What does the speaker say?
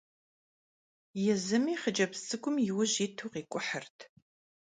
Yêzımi xhıcebz ts'ık'um yi vuj yitu khik'uhırt.